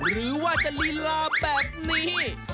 หรือว่าจะลีลาแบบนี้